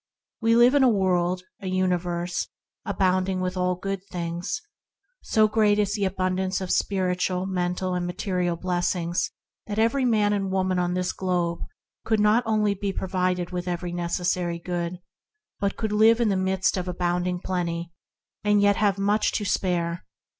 We live in a world, a universe, abounding in all good things. So great is the abundance of spiritual, mental, and material blessings that every man and woman on this globe could not only be provided with every necessary good, but could live in the midst of abounding plenty and still leave much to spare.